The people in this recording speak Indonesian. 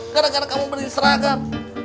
gara gara kamu beri seragam